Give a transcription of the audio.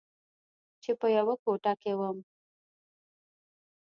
چې په يوه کوټه کښې وم.